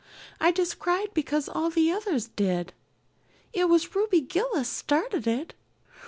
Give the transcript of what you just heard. "I just cried because all the others did. It was Ruby Gillis started it.